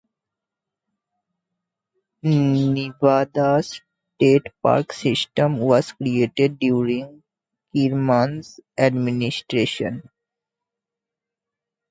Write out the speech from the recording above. Nevada's state park system was created during Kirman's administration.